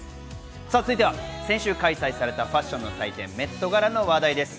続いては先週開催されたファッションの祭典・メットガラの話題です。